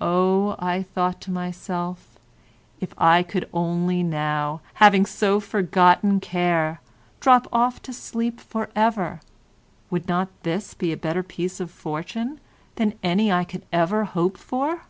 "Oh," I thought to myself, "if I could only now, having so forgotten care, drop off to sleep for ever, would not this be a better piece of fortune than any I can ever hope for?"